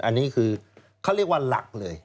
อันนี้คือเขาเรียกว่าหลักเลย